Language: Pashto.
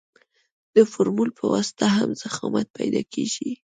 د فورمول په واسطه هم ضخامت پیدا کیږي